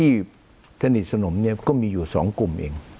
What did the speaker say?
คุณจอมขอบพระคุณครับ